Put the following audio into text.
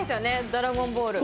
「ドラゴンボール」